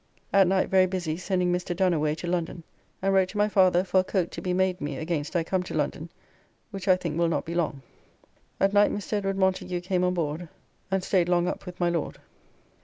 At night very busy sending Mr. Donne away to London, and wrote to my father for a coat to be made me against I come to London, which I think will not be long. At night Mr. Edward Montagu came on board and staid long up with my Lord.